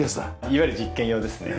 いわゆる実験用ですね。